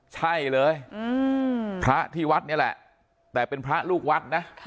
ใช่เลยพระที่วัดนี่แหละแต่เป็นพระลูกวัดนะ